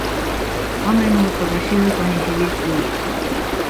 雨の音が静かに響く。